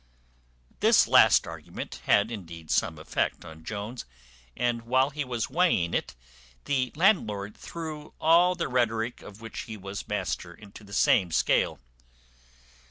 This last argument had indeed some effect on Jones, and while he was weighing it the landlord threw all the rhetoric of which he was master into the same scale.